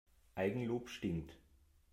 Eigenlob stinkt.